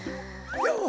よう！